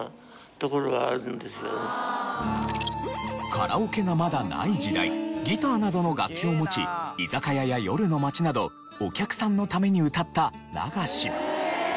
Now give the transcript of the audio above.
カラオケがまだない時代ギターなどの楽器を持ち居酒屋や夜の街などお客さんのために歌った流し。